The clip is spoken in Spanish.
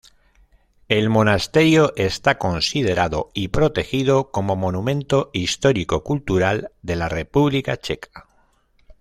El monasterio está considerado y protegido como monumento histórico cultural de la República Checa.